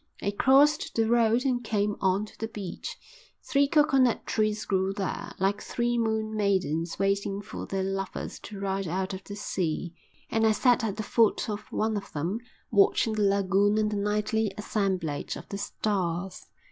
I crossed the road and came on to the beach. Three coconut trees grew there, like three moon maidens waiting for their lovers to ride out of the sea, and I sat at the foot of one of them, watching the lagoon and the nightly assemblage of the stars.